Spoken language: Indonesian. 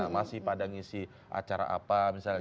masih pada ngisi acara apa misalnya